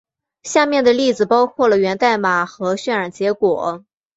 下面的例子包括了源代码和渲染结果。